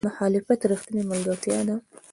مخالفت رښتینې ملګرتیا ده.